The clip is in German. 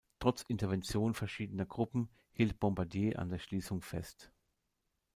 Trotz Intervention verschiedener Gruppen hielt Bombardier an der Schließung fest.